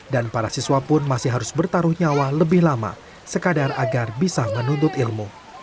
dan para siswa pun masih harus bertaruh nyawa lebih lama sekadar agar bisa menuntut ilmu